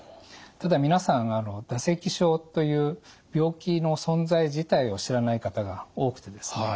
ただ皆さん唾石症という病気の存在自体を知らない方が多くてですね